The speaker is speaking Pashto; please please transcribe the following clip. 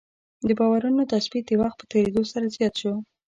د باورونو تثبیت د وخت په تېرېدو سره زیات شو.